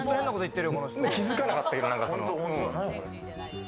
気づかなかったけど。